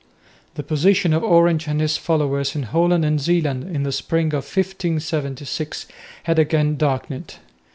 The position of Orange and his followers in Holland and Zeeland in the spring of 1576 had again darkened.